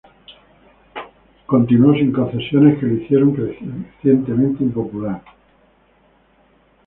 Continuó sin concesiones, que lo hicieron crecientemente impopular.